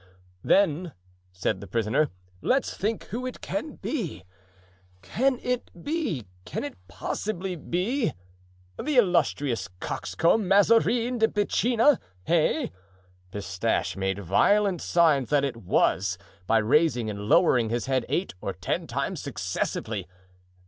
"Then," said the prisoner, "let's think who it can be. Can it be, can it possibly be, the 'Illustrious Coxcomb, Mazarin de Piscina,' hey?" Pistache made violent signs that it was, by raising and lowering his head eight or ten times successively.